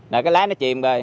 rồi cái lái nó chìm rồi